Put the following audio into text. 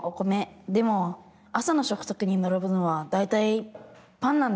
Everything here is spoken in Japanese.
でも朝のしょくたくにならぶのは大体パンなんです。